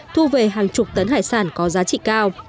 thu về hàng chục tấn hải sản có giá trị cao